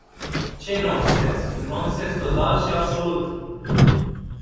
Ce nonsens, un nonsens total și absolut!